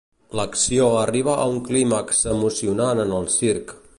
L'acció arriba a un clímax emocionant en el circ.